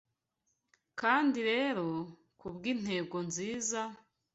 Kandi rero, kubwintego nziza,